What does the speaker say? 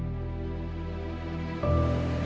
aku mau ke rumah